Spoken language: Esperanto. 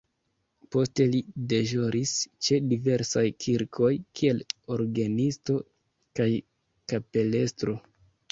Poste li deĵoris ĉe diversaj kirkoj kiel orgenisto kaj kapelestro.